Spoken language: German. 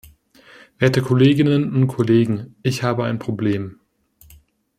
Werte Kolleginnen und Kollegen! Ich habe ein Problem.